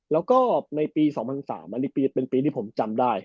แล้วก็ในปี๒๐๐๓อันนี้เป็นปีที่ผมจำได้